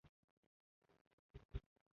Davlat va jamoat namoyandalarining tashrifi.